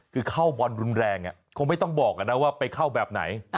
คือเข้าบอลรุนแรงคงไม่ต้องบอกนะว่าไปเข้าแบบไหน